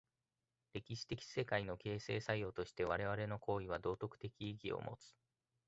歴史的世界の形成作用として我々の行為は道徳的意義を有つ。